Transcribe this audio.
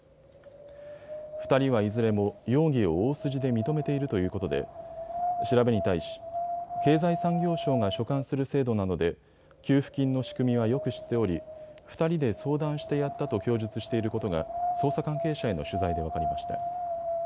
２人はいずれも容疑を大筋で認めているということで調べに対し、経済産業省が所管する制度なので給付金の仕組みはよく知っており２人で相談してやったと供述していることが捜査関係者への取材で分かりました。